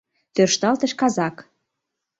— тӧршталтыш казак.